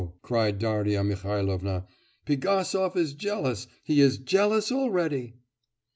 cried Darya Mihailovna, 'Pigasov is jealous, he is jealous already!